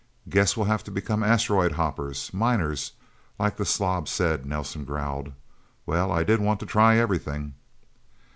"Guess we'll have to become asteroid hoppers miners like the slob said," Nelsen growled. "Well I did want to try everything..."